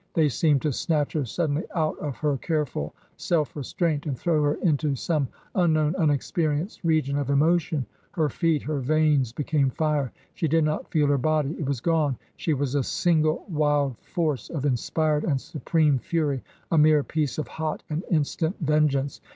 They seemed to snatch her suddenly out of her careful self restraint and throw her into some unknown, unex perienced region of emotion. Her feet, her veins be came fire ; she did not feel her body : it was gone. She was a single wild force of inspired and supreme fury, a mere piece of hot and instant vengeance.